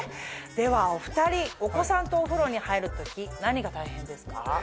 ではお２人お子さんとお風呂に入る時何が大変ですか？